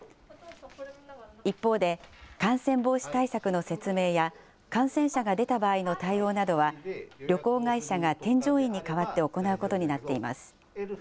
一方で、感染防止対策の説明や、感染者が出た場合の対応などは、旅行会社が添乗員に代わって行うことになっています。